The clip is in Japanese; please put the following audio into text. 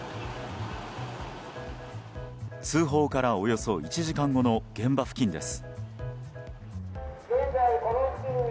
通報からおよそ１時間後の現場付近です。